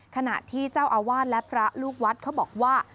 ขณะที่เจ้าอาวาสและพระลูกวัดเขาบอกว่า